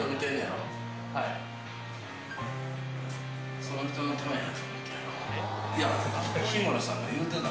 その人のためにやるわ。